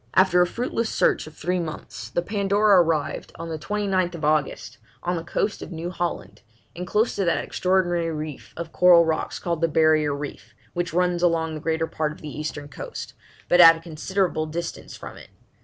After a fruitless search of three months, the Pandora arrived, on the 29th August, on the coast of New Holland, and close to that extraordinary reef of coral rocks called the 'Barrier Reef,' which runs along the greater part of the eastern coast, but at a considerable distance from it.